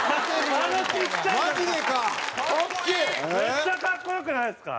めっちゃ格好良くないですか？